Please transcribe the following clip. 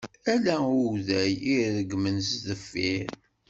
Ala uday i yeregmen s deffir.